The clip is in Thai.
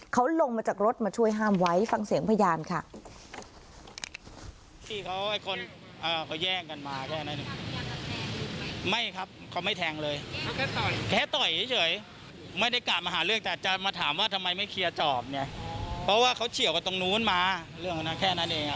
เขาลงมาจากรถมาช่วยห้ามไว้ฟังเสียงพยานค่ะ